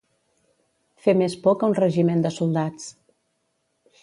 Fer més por que un regiment de soldats.